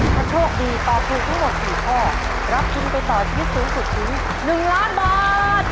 ถ้าโชคดีตอบถูกทั้งหมด๔ข้อรับทุนไปต่อชีวิตสูงสุดถึง๑ล้านบาท